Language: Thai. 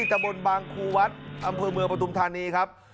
ตะบนบางครูวัดอำเภอเมืองปฐุมธานีครับ